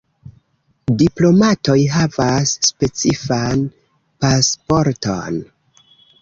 Diplomatoj havas specifan pasporton.